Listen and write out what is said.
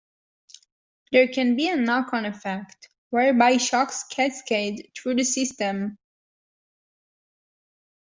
There can be a knock-on effect, whereby shocks cascade through the system.